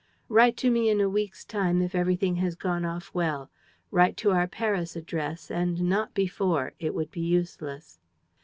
"Write to me in a week's time if everything has gone off well. Write to our Paris address and not before: it would be useless."